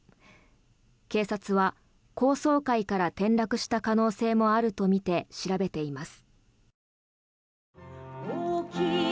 警察は、高層階から転落した可能性もあるとみて調べています。